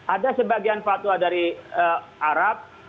ada sebagian fatwa dari arab